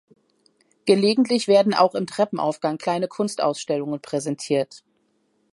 Gelegentlich werden auch im Treppenaufgang kleine Kunstausstellungen präsentiert.